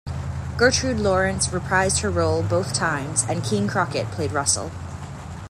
Gertrude Lawrence reprised her role both times and Keene Crockett played Russell.